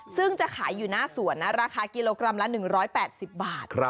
ซึ่งจะขายอยู่หน้าสวนนะราคากิโลกรัมละ๑๘๐บาท